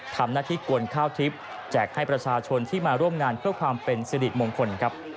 ทำหน้าที่กวนข้าวทิพย์แจกให้ประชาชนที่มาร่วมงานเพื่อความเป็นสิริมงคลครับ